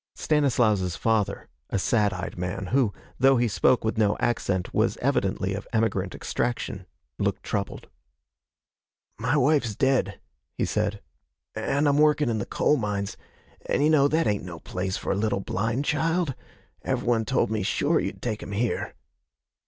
Stanislaus's father, a sad eyed man, who, though he spoke with no accent, was evidently of emigrant extraction, looked troubled. 'My wife's dead,' he said, 'an' I'm workin' in the coalmines, an' you know that ain't no place for a little blind child. Every one told me sure you'd take him here.'